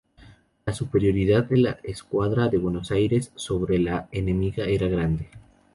La superioridad de la Escuadra de Buenos Aires sobre la enemiga era grande.